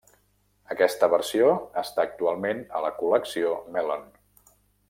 Aquesta versió està actualment a la col·lecció Mellon.